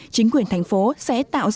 chính quyền thành phố sẽ tạo sáng